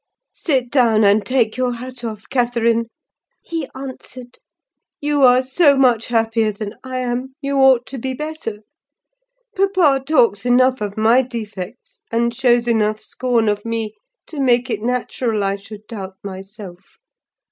"'Sit down and take your hat off, Catherine,' he answered. 'You are so much happier than I am, you ought to be better. Papa talks enough of my defects, and shows enough scorn of me, to make it natural I should doubt myself.